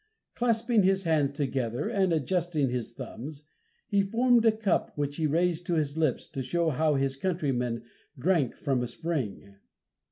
Clasping his hands together, and adjusting his thumbs, he formed a cup which he raised to his lips to show how his countrymen drank from a spring.